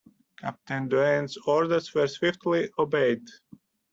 Captain Doane's orders were swiftly obeyed.